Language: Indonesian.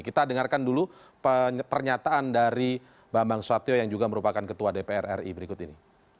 kita dengarkan dulu pernyataan dari bambang susatyo yang juga merupakan ketua dpr ri berikut ini